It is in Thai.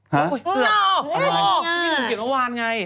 เหรอพี่แต่งเหยียบวันไง